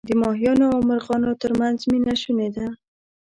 د ماهیانو او مرغانو ترمنځ مینه شوني ده.